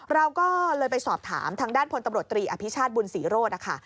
เราก็เลยไปสอบถามทางด้านพลตำรวจตรีอภิชาติบุญศรีโรธนะคะ